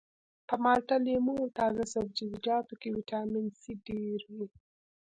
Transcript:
په مالټه لیمو او تازه سبزیجاتو کې ویټامین سي ډیر وي